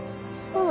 うん。